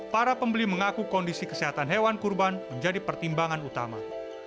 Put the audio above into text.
para pembeli mengaku kondisi kesehatan hewan kurban menjadi pertimbangan utama